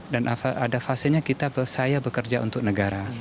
dan ada fasenya saya bekerja untuk negara